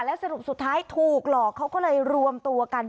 สรุปสุดท้ายถูกหลอกเขาก็เลยรวมตัวกัน